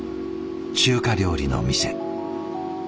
中華料理の店。